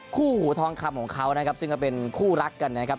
คู่หูทองคำของเขานะครับซึ่งก็เป็นคู่รักกันนะครับ